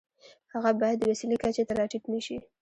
هغه باید د وسیلې کچې ته را ټیټ نشي.